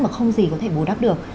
mà không gì có thể bù đắp được